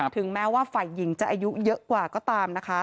ถึงแม้ว่าฝ่ายหญิงจะอายุเยอะกว่าก็ตามนะคะ